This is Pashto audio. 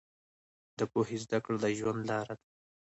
د پوهې زده کړه د ژوند لار ده.